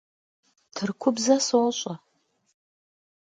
Tırkubze soş'e.